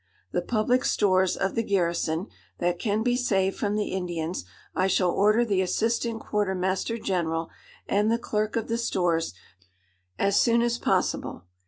The public stores of the garrison, that can be saved from the Indians, I shall order the Assistant Quarter Master General, and the Clerk of the stores, to take an account of, as soon as possible.